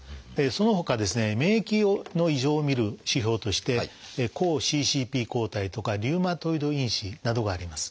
そのほかですね免疫の異常を見る指標として「抗ＣＣＰ抗体」とか「リウマトイド因子」などがあります。